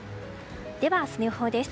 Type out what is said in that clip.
では、明日の予報です。